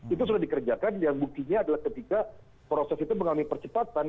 itu sudah dikerjakan yang buktinya adalah ketika proses itu mengalami percepatan